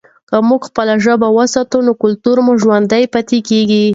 که موږ خپله ژبه وساتو نو کلتور مو ژوندی پاتې کېږي.